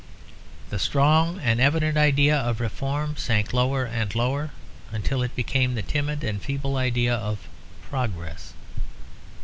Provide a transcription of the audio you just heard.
The strong and evident idea of reform sank lower and lower until it became the timid and feeble idea of progress.